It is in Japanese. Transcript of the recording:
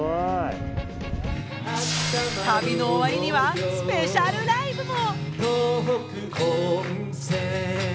旅の終わりにはスペシャルライブも！